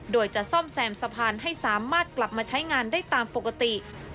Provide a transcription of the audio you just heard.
โดยจะซ่อมแซมสะพานให้สามารถกลับมาใช้งานได้ตามปกติ